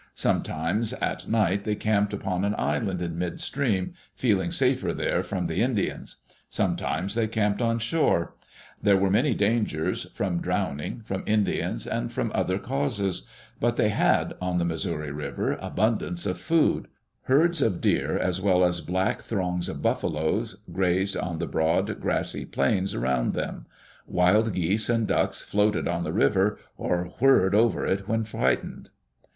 Sometimes at night they camped upon an island in mid stream, feeling safer there from the Indians; sometimes they camped on shore. There were many dangers, from drowning, from Indians, and from other causes. But they had, on the Missouri River, Digitized by CjOOQ IC JHE ADVENTURES OF LEWIS AND CLARK abundance of food. Herds of deer, as well as black throngs of buffaloes, grazed on the broad, grassy plains around them. Wild geese and ducks floated on the river, or whirred over it when frightened.